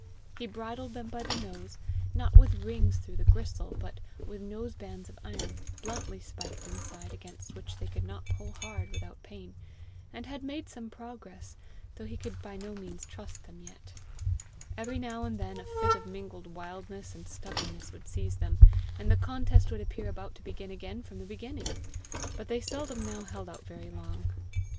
He bridled them by the nose, not with rings through the gristle, but with nose bands of iron, bluntly spiked inside, against which they could not pull hard without pain, and had made some progress, though he could by no means trust them yet: every now and then a fit of mingled wildness and stubbornness would seize them, and the contest would appear about to begin again from the beginning; but they seldom now held out very long.